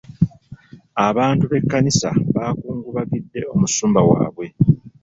Abantu b'ekkanisa baakungubagidde omusumba waabwe.